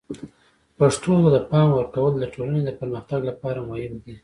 پښتو ته د پام ورکول د ټولنې د پرمختګ لپاره مهم دي.